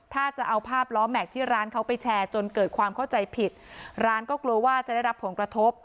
ถ้าจะเอาภาพล้อแม็กซ์ที่ร้านเขาไปแชร์จนเกิดความเข้าใจผิดร้านก็กลัวว่าจะได้รับผลกระทบ